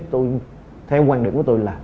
theo quan điểm của tôi là